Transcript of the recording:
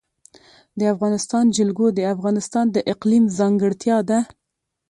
د افغانستان جلکو د افغانستان د اقلیم ځانګړتیا ده.